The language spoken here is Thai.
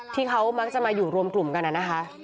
ที่เขามักจะมาอยู่รวมกลุ่มกันนะคะ